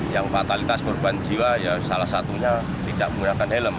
yang fatalitas korban jiwa ya salah satunya tidak menggunakan helm